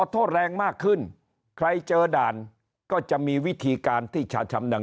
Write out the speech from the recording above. โทษแรงมากขึ้นใครเจอด่านก็จะมีวิธีการที่จะชำดัง